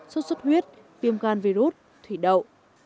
sốt xuất huyết viêm gan virus thủy đậu